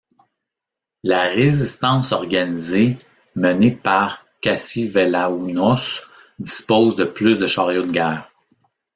La résistance organisée menée par Cassivellaunos dispose de plus de chariots de guerre.